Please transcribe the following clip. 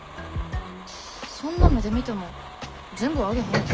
そんな目で見ても全部はあげへんよ。